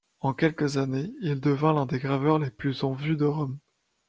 En quelques années, il devient l'un des graveurs les plus en vue de Rome.